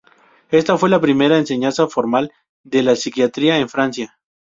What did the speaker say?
Esta fue la primera enseñanza formal de psiquiatría en Francia.